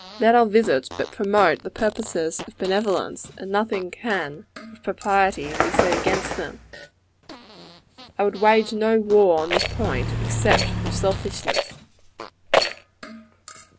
Let our visits but promote the purposes of benevolence, and nothing can, with propriety, be said against them. I would wage no war on this point, except with selfishness.